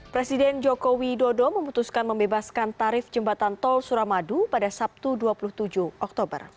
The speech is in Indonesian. presiden joko widodo memutuskan membebaskan tarif jembatan tol suramadu pada sabtu dua puluh tujuh oktober